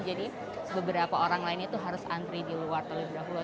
jadi beberapa orang lain itu harus antri di luar terlebih dahulu